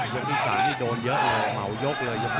ยกที่๓นี่โดนเยอะเลยเหมายกเลยยกนี้